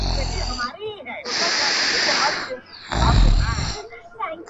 نن چي وجود له روحه بېل دی نن عجيبه کيف دی,